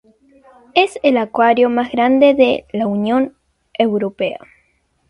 Es el acuario más grande de la Unión Europea.